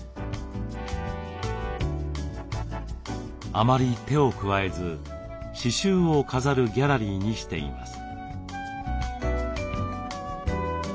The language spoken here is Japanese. あまり手を加えず刺しゅうを飾るギャラリーにしています。